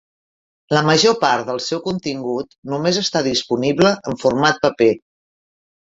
La major part del seu contingut només està disponible en format paper.